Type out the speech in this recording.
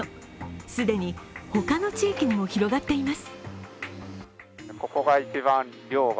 既に他の地域にも広がっています。